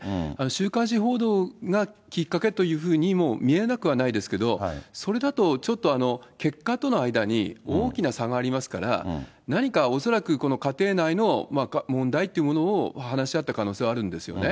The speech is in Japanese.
週刊誌報道がきっかけというふうにも見えなくはないですけど、それだとちょっと、結果との間に大きな差がありますから、何か恐らくこの家庭内の問題というものを話し合った可能性はあるんですよね。